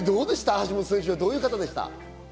橋本選手は。どういう方でした？